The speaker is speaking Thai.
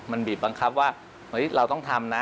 มันบีบบังคับว่าเราต้องทำนะ